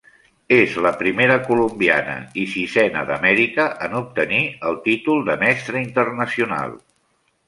És la primera colombiana i sisena d'Amèrica en obtenir el títol de Mestre Internacional.